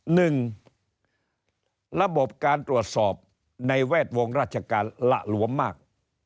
หนึ่งระบบการตรวจสอบในแวดวงราชการหละหลวมมาก